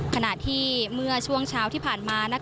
ขณะที่เมื่อช่วงเช้าที่ผ่านมา